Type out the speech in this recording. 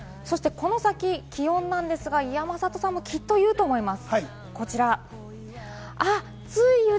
この先、気温なんですが、山里さんもきっと言うと思います。